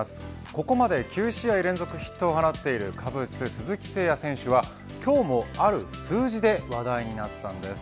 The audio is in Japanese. ここまで９試合連続ヒットを放っているカブス、鈴木誠也選手は今日も、ある数字で話題になったんです。